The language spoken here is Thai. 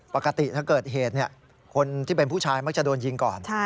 ปกติถ้าเกิดเหตุคนที่เป็นผู้ชายมักจะโดนยิงก่อน